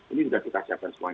ini sudah kita siapkan semuanya